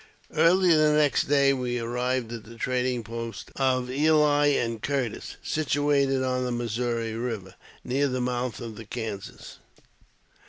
Early the next day we arrived at the trading post of Ely and Curtis, situate on the Missouri Eiver, near the mouth of the Kansas.